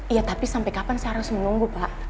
iya tapi sampai kapan saya harus menunggu pak